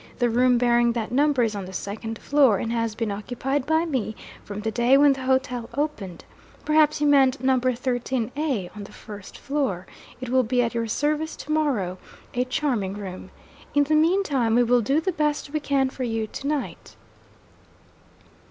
The room bearing that number is on the second floor, and has been occupied by me, from the day when the hotel opened. Perhaps you meant number 13 A, on the first floor? It will be at your service to morrow a charming room. In the mean time, we will do the best we can for you, to night.'